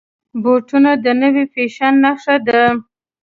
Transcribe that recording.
بوټونه د نوي فیشن نښه ده.